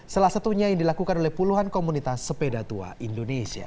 salah satunya yang dilakukan oleh puluhan komunitas sepeda tua indonesia